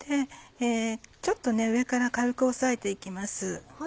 ちょっと上から軽く押さえて行きます。